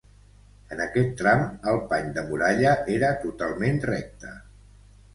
En aquest tram, el pany de muralla era totalment recte.